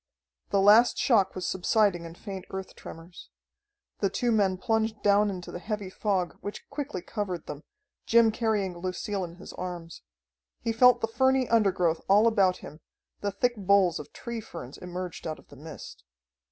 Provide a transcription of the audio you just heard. The last shock was subsiding in faint earth tremors. The two men plunged down into the heavy fog, which quickly covered them, Jim carrying Lucille in his arms. He felt the ferny undergrowth all about him, the thick boles of tree ferns emerged out of the mist.